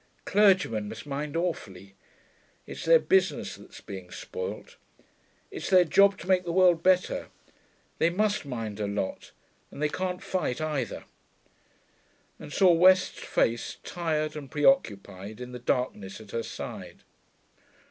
Clergymen must mind awfully. It's their business that's being spoilt. It's their job to make the world better: they must mind a lot, and they can't fight either,' and saw West's face, tired and preoccupied, in the darkness at her side.